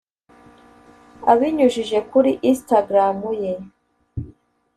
Abinyujije kuri Instagram ye